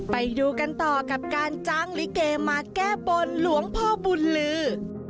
ไปดูกันต่อกับการจ้างลิเกมาแก้บนหลวงพ่อบุญลือ